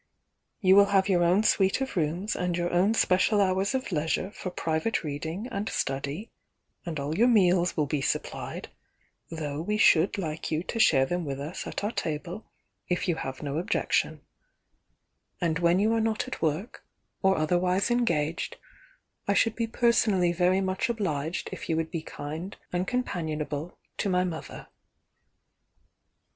You will have your own suite of rooms and your own special hours of leisure for private reading and study, and all your meals will be supplied, though we should like you to share them with us at our table, if you have no TIIK VOlIXt; DIAXA 111 objection. And when you are not at work, or othrr wise engaged, I should be personally very much obliged if you would be kind and companionable to my mother."